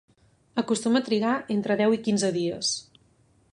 Acostuma a trigar entre deu i quinze dies.